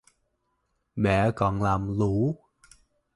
Mẹ còn lam lũ